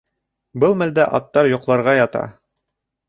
Был мәлдә аттар йоҡларға ята.